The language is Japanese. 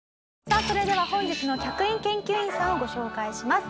さあそれでは本日の客員研究員さんをご紹介します。